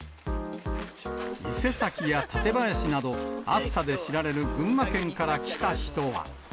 伊勢崎や館林など、暑さで知られる群馬県から来た人は。